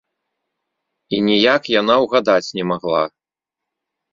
І ніяк яна ўгадаць не магла.